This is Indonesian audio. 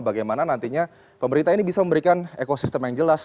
bagaimana nantinya pemerintah ini bisa memberikan ekosistem yang jelas